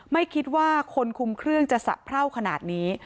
ไม่คิดว่าคนคุมเครื่องจะสะเพราขนาดนี้